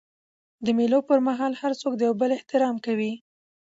د مېلو پر مهال هر څوک د یو بل احترام کوي.